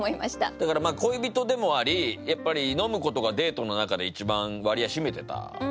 だからまあ恋人でもありやっぱり飲むことがデートの中で一番割合占めてたのかな。